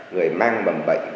người mang bầm bệnh